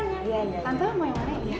neneng terusin aja